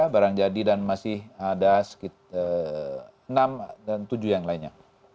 barang jadi dan masih ada enam dan tujuh yang lainnya